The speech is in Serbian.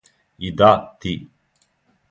И да, ти.